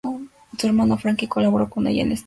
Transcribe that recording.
Su hermano Frankie colaboró con ella en esta labor.